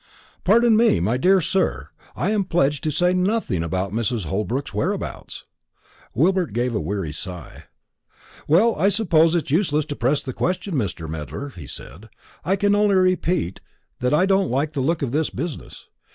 "Pardon me, my dear sir, I am pledged to say nothing about Mrs. Holbrook's whereabouts." Gilbert gave a weary sigh. "Well, I suppose it is useless to press the question, Mr. Medler," he said. "I can only repeat that I don't like the look of this business.